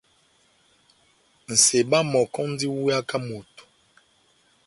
Nʼseba mɔkɔ múndi múweyaka moto.